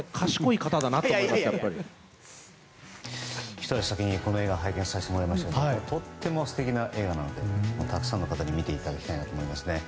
ひと足先に、この映画拝見させてもらいましたけどとっても素敵な映画なのでたくさんの方に見ていただきたいと思います。